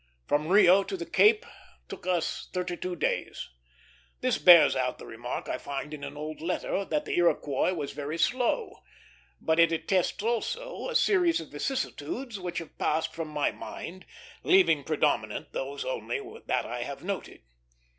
From Rio to the Cape took us thirty two days. This bears out the remark I find in an old letter that the Iroquois was very slow; but it attests also a series of vicissitudes which have passed from my mind, leaving predominant those only that I have noted.